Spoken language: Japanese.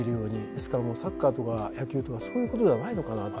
ですからもうサッカーとか野球とかそういう事ではないのかなって。